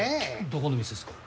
どこの店っすか？